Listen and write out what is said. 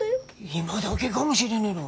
今だけかもしれねろ。